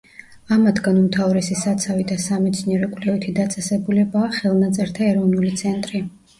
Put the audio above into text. ამათგან უმთავრესი საცავი და სამეცნიერო-კვლევითი დაწესებულებაა ხელნაწერთა ეროვნული ცენტრი.